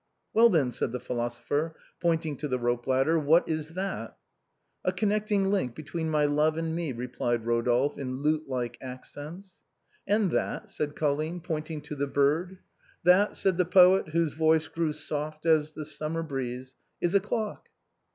" Well, then," said the philosopher, pointing to the rope ladder, " what is that ?"" A connecting link between my love and me," replied Eodolphe, in lute like accents. " And that? " said Colline, pointing to the bird. " That," said the poet, whose voice grew soft as the sum mer breeze, " is a clock."